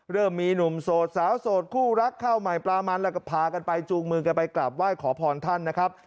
เริ่มมีหนุ่มโสดสาวโสดคู่รักข้าวใหม่ปลามันแล้วก็พากันไปจูงมือกันไปกราบไหว้ขอพรท่านนะครับ